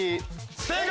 正解。